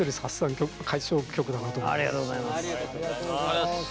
ありがとうございます。